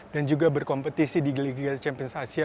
dan juga berkompetisi di liga champions asia